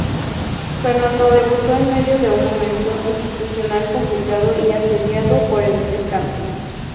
Fernando debutó en medio de un momento institucional complicado y asediado por el descenso.